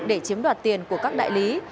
để chiếm đoạt tiền của các đại lý